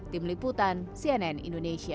tim liputan cnn indonesia